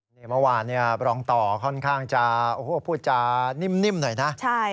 เมื่อวานนี้ร้องต่อค่อนข้างจะโอ้โฮพูดจะนิ่มหน่อยนะ